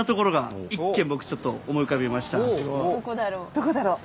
どこだろう？